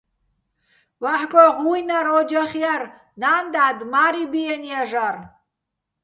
ვაჰ̦გო ღუ́ჲნარ ო́ჯახ ჲარ, ნა́ნ-და́დ, მა́რი ბიენო̆ ჲაჟარ.